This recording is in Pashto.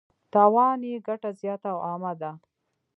تاوان یې ګټه زیاته او عامه ده.